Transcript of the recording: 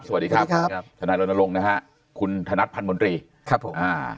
สวัสดีครับทนายรณรงค์นะฮะคุณธนัดพันมนตรีครับผมอ่า